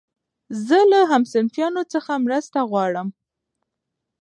زه له همصنفيانو څخه مرسته غواړم.